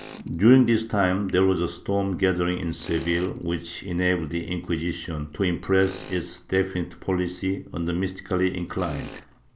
During this time there was a storm gathering in Seville which enabled the Inquisition to impress its definite policy on the mys tically inclined.